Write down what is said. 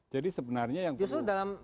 jadi sebenarnya yang perlu justru dalam